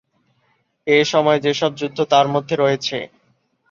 এসময় যেসব যুদ্ধ তার মধ্যে রয়েছে